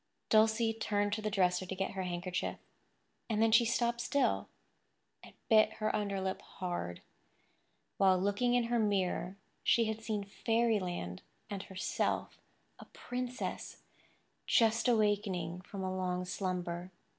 Dulcie turned to the dresser to get her handkerchief; and then she stopped still, and bit her underlip hard. While looking in her mirror she had seen fairyland and herself, a princess, just awakening from a long slumber.